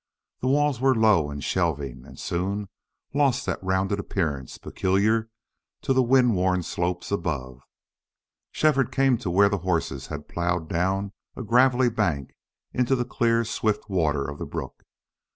The walls were low and shelving, and soon lost that rounded appearance peculiar to the wind worn slopes above. Shefford came to where the horses had plowed down a gravelly bank into the clear, swift water of the brook.